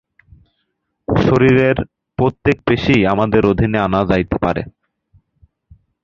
শরীরের প্রত্যেক পেশীই আমাদের অধীনে আনা যাইতে পারে।